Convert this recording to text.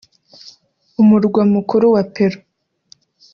umurwa mukuru wa Peru